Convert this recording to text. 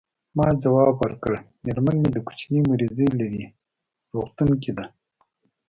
ما ځواب ورکړ: میرمن مې د کوچني مریضي لري، روغتون کې ده.